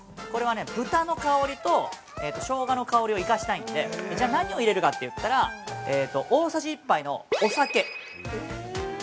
これはね、豚の香りとしょうがの香りを生かしたいんで、じゃあ何を入れるかといったら、大さじ１杯のお酒。